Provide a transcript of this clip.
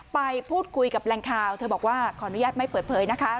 ไปพูดคุยกับแรงข่าวเธอบอกว่าขออนุญาตไม่เปิดเผยนะคะ